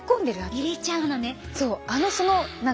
入れちゃうのね。